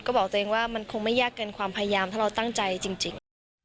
ก็บอกตัวเองว่ามันคงไม่ยากเกินความพยายามถ้าเราตั้งใจจริง